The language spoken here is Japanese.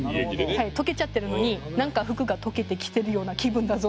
溶けちゃってるのに「なんか服が溶けてきてるような気分だぞ」